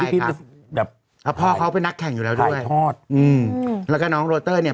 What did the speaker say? พี่พีทเป็นแบบพายทอดแล้วก็น้องโรเตอร์เนี่ย